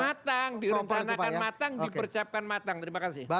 matang direncanakan matang dipercapkan matang terima kasih